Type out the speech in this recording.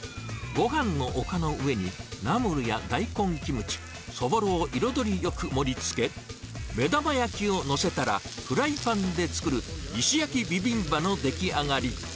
ごはんの丘の上にナムルや大根キムチ、そぼろを彩りよく盛りつけ、目玉焼きを載せたらフライパンで作る石焼きビビンバの出来上がり。